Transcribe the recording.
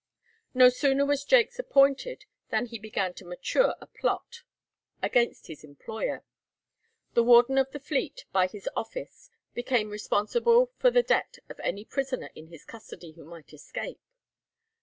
No sooner was Jaques appointed than he began to mature a plot against his employer. The warden of the Fleet by his office became responsible for the debt of any prisoner in his custody who might escape.